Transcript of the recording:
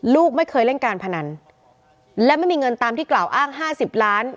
ลูกไม่เคยเล่นการพนันและไม่มีเงินตามที่กล่าวอ้าง๕๐ล้าน